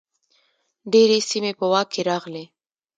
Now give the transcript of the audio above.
ډیرې سیمې په واک کې راغلې.